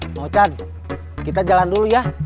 mang ocat kita jalan dulu ya